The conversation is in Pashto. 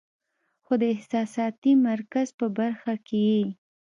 خو د احساساتي مرکز پۀ برخه کې ئې